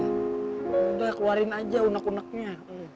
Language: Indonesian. ya udah keluarin aja unek uneknya